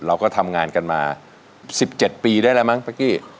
เราก็ทำงานกันมา๑๗ปีได้แล้วมั้งป๊กกี้